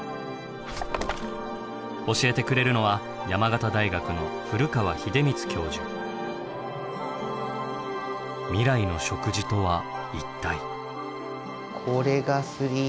教えてくれるのは未来の食事とは一体。